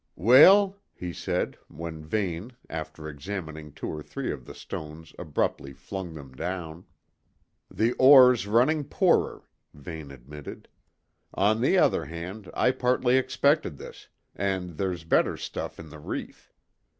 "Weel?" he said, when Vane, after examining two or three of the stones abruptly flung them down. "The ore's running poorer," Vane admitted. "On the other hand, I partly expected this, and there's better stuff in the reef.